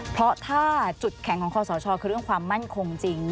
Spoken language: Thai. เพราะถ้าจุดแข็งของคอสชคือเรื่องความมั่นคงจริง